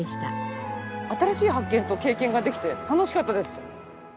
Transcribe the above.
新しい発見と経験ができて楽しかったです。